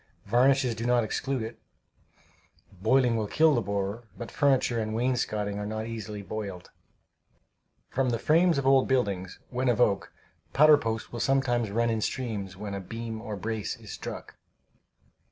Varnishes do not exclude it. Boiling will kill the borer, but furniture and wainscotings are not easily boiled. From the frames of old buildings, when of oak, powder post will sometimes run in streams when a beam or brace is struck.